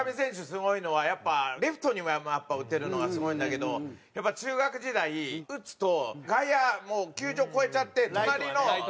すごいのはやっぱレフトにも打てるのがすごいんだけど中学時代打つと外野もう球場越えちゃって。